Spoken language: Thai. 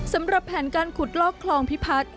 สำหรับแผนการขุดลอกคลองพิพัฒน์